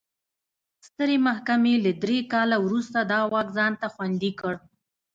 سترې محکمې له درې کال وروسته دا واک ځان ته خوندي کړ.